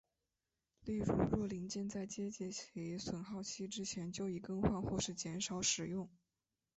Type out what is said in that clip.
例如若零件在接近其损耗期之前就已更换或是减少使用。